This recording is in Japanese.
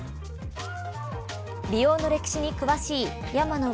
美容の歴史に詳しい山野